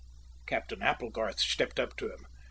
Captain Applegarth stepped up to him.